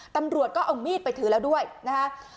ตำรวจก็เอามีดไปถือแล้วด้วยนะคะ